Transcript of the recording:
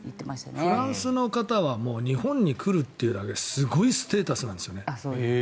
フランスの方は日本に来るというだけですごいステータスなんですよね。